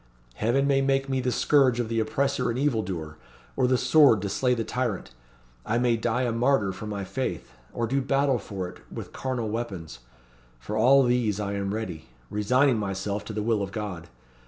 Heaven may make me the scourge of the oppressor and evil doer, or the sword to slay the tyrant. I may die a martyr for my faith, or do battle for it with carnal weapons. For all these I am ready; resigning myself to the will of God.